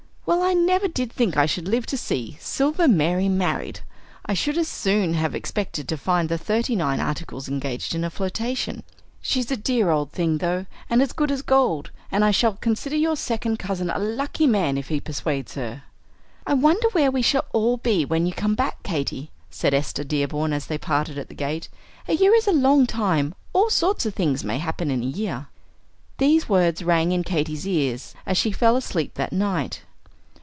Well, I never did think I should live to see Silvery Mary married. I should as soon have expected to find the Thirty nine Articles engaged in a flirtation. She's a dear old thing, though, and as good as gold; and I shall consider your second cousin a lucky man if he persuades her." "I wonder where we shall all be when you come back, Katy," said Esther Dearborn as they parted at the gate. "A year is a long time; all sorts of things may happen in a year." These words rang in Katy's ears as she fell asleep that night.